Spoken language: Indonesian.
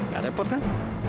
gak repot kan